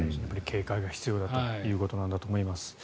警戒が必要だということなんだと思います。